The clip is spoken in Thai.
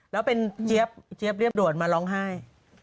แล้วเป็นเจี๊ยบเจี๊ยบเรียบด่วนมาร้องไห้